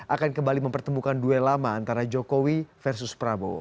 akan kembali mempertemukan duel lama antara jokowi versus prabowo